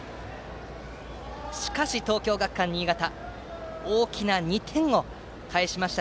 しかし、東京学館新潟は大きな２点を返しました